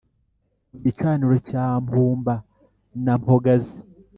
ku gicaniro cya mpumba na mpogazi